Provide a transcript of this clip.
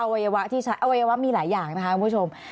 วัยวะที่ใช้อวัยวะมีหลายอย่างนะคะคุณผู้ชม